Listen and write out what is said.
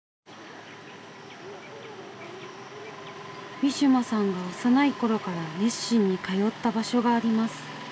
ウィシュマさんが幼い頃から熱心に通った場所があります。